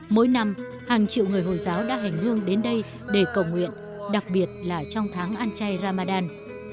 mỗi năm hàng triệu người hồi giáo đã hành hương đến đây để cầu nguyện đặc biệt là trong tháng ăn chay ramadan